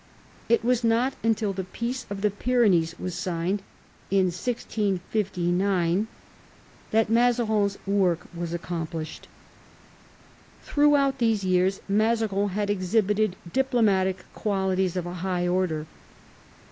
It was not till the Peace of the Pyrenees was signed in 1659 that Mazarines work was accomplished. Throughout these years Mazarin had exhibited diplo matic qualities of a high order.